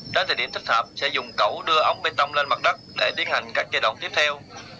đến thời điểm thích hợp sẽ dùng cẩu đưa ống bê tông lên mặt đất để tiến hành các giai đoạn tiếp theo